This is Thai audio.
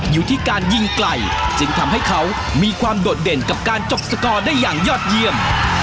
อยู่ที่การยิงไกลจึงทำให้เขามีความโดดเด่นกับการจบสกอร์ได้อย่างยอดเยี่ยม